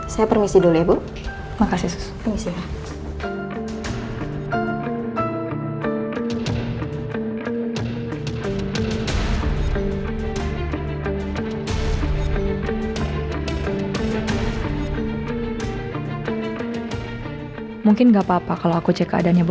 saya permisi dulu ya bu makasih